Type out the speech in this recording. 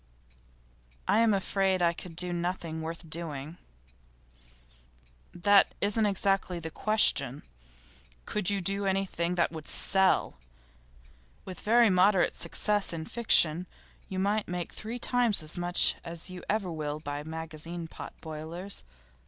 'I'm afraid I could do nothing worth doing.' 'That isn't exactly the question. Could you do anything that would sell? With very moderate success in fiction you might make three times as much as you ever will by magazine pot boilers.